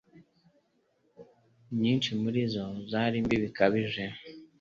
nyinshi muri zo zari mbi bikabije